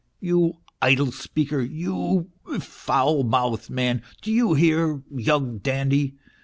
You idle speaker, you foul mouthed man ! Do you hear, young dandy